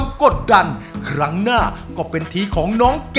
มั่นใจร้อยเปอร์เซ็นต์